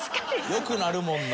良くなるもんな。